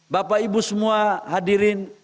bapak ibu semua hadirin